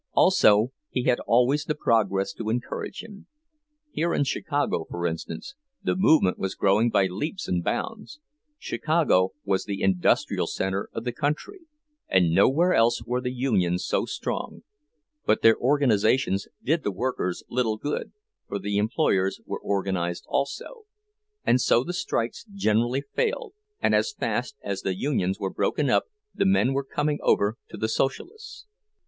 Also he had always the progress to encourage him; here in Chicago, for instance, the movement was growing by leaps and bounds. Chicago was the industrial center of the country, and nowhere else were the unions so strong; but their organizations did the workers little good, for the employers were organized, also; and so the strikes generally failed, and as fast as the unions were broken up the men were coming over to the Socialists.